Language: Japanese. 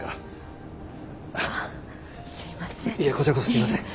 すいません。